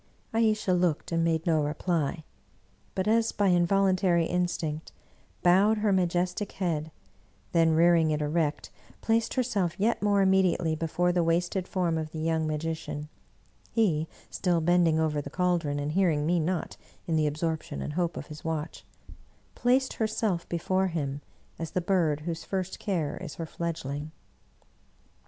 " Ayesha looked and made no reply, but, as by involun tary instinct, bowed her majestic head, then rearing it erect, placed herself yet more immediately before the wasted form of the young magician (he still bending over the caldron, and hearing me not in the absorption and hope of his watch) — placed herself before him, as the bird whose first care is her fledgling.